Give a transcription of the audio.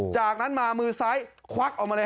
จากนั้นมามือซ้ายควักออกมาเลย